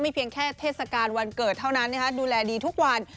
เพียงแค่เทศกาลวันเกิดเท่านั้นดูแลดีทุกวัน